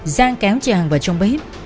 giang kéo chị hằng vào trong bếp